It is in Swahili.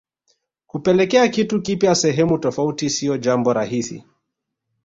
kupeleka kitu kipya sehemu tofauti siyo jambo rahisi